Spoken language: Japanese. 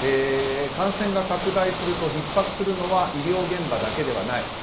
感染が拡大するとひっ迫するのは医療現場だけではない。